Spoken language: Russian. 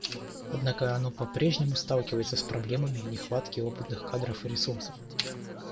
Однако оно по-прежнему сталкивается с проблемами нехватки опытных кадров и ресурсов.